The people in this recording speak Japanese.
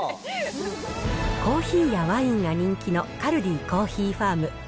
コーヒーやワインが人気のカルディコーヒーファーム。